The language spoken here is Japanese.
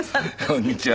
こんにちは。